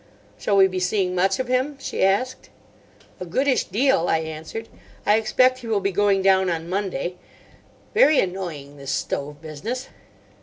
"Shall we be seeing much of him?" she asked. "A goodish deal," I answered. "I expect he will be going down on Monday. Very annoying, this stove business."